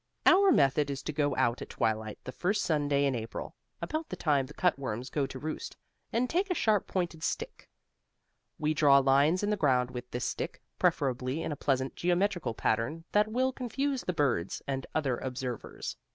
Our method is to go out at twilight the first Sunday in April, about the time the cutworms go to roost, and take a sharp pointed stick. We draw lines in the ground with this stick, preferably in a pleasant geometrical pattern that will confuse the birds and other observers.